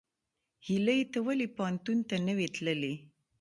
هیلۍ ته ولې پوهنتون ته نه وې تللې؟